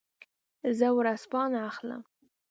زه ورځپاڼه اخلم.